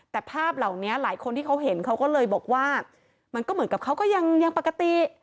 แต่ภาพเหล่านี้หลายคนที่เขาเห็นเขาก็เลยบอกว่ามันก็เหมือนกับเขาก็ยังปกติ